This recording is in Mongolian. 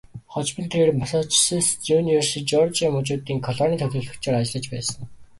Хожим нь тэрээр Массачусетс, Нью Жерси, Жеоржия мужуудын колонийн төлөөлөгчөөр ажиллаж байсан.